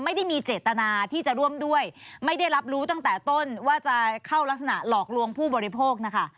ไม่ได้มีเจตนาที่จะร่วมด้วยไม่ได้รับรู้ตั้งแต่ต้นว่าจะเข้ารักษณะหลอกลวงผู้บริโภคนะคะ